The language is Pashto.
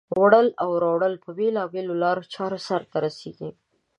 وړل او راوړل په بېلا بېلو لارو چارو سرته رسیږي.